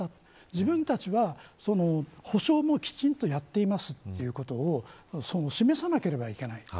自分たちは補償もきちんとやっていきますということを示さなければいけない。